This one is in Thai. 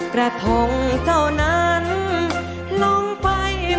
กระทงเจ้านั้นลงไปเหมือนกระทง